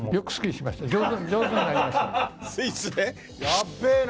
やべえな！